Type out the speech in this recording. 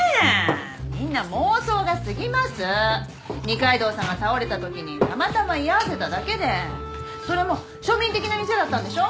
二階堂さんが倒れた時にたまたま居合わせただけでそれも庶民的な店だったんでしょ？